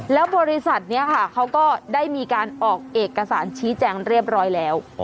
แล้วบริษัทนี้ค่ะเขาก็ได้มีการออกเอกสารชี้แจงเรียบร้อยแล้ว